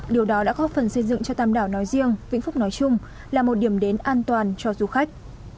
điều đó đã góp phần xây dựng cho tạm đảo nói riêng vĩnh phúc nói chung là một điểm đến an toàn cho du khách